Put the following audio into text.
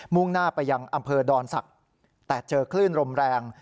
่งหน้าไปยังอำเภอดอนศักดิ์แต่เจอคลื่นลมแรง